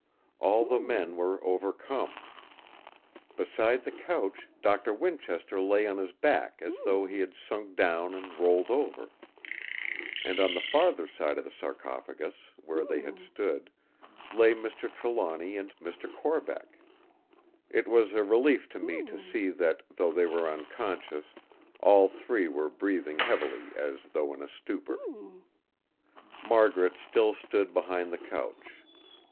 All the men were overcome. Beside the couch Doctor Winchester lay on his back as though he had sunk down and rolled over; and on the farther side of the sarcophagus, where they had stood, lay Mr. Trelawny and Mr. Corbeck. It was a relief to me to see that, though they were unconscious, all three were breathing heavily as though in a stupor. Margaret still stood behind the couch.